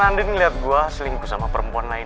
dan andin melihat gua selingkuh sama perempuan lain